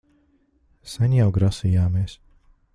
Sen jau grasījāmies...